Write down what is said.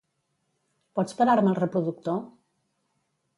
Pots parar-me el reproductor?